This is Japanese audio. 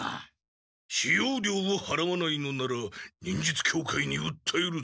使用料をはらわないのなら忍術協会にうったえるぞ。